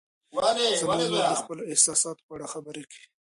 زما مور د خپلو احساساتو په اړه خبرې کوي.